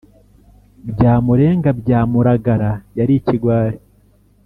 Byamurenga bya Muragara yari ikigwari